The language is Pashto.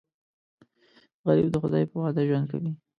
غریب د خدای په وعده ژوند کوي